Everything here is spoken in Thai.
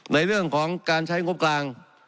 ในเรื่องของการใช้งบกลาง